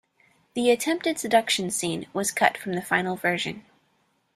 The attempted seduction scene was cut from the final version.